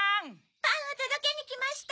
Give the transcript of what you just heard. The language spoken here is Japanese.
パンをとどけにきました。